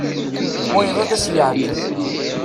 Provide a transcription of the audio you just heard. Wayeḍ ad s-yeɛǧeb.